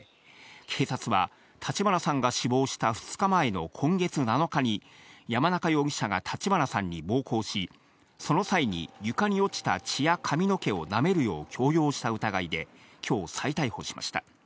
警察は、立花さんが死亡した２日前の今月７日に、山中容疑者が立花さんに暴行し、その際に床に落ちた血や髪の毛をなめるよう強要した疑いで、きょう再逮捕しました。